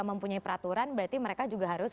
mempunyai peraturan berarti mereka juga harus